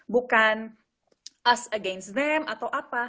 bukan us against name atau apa